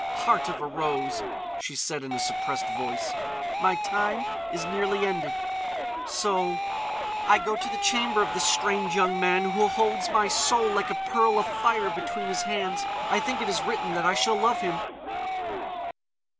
"Heart of a rose," she said in a suppressed voice, "my time is nearly ended.... So.... I go to the chamber of this strange young man who holds my soul like a pearl afire between his hands.... I think it it written that I shall love him."